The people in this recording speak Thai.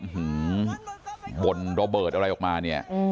หือบ่นระเบิดอะไรออกมาเนี่ย